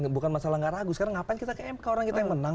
bukan masalah gak ragu sekarang ngapain kita ke mk orang kita yang menang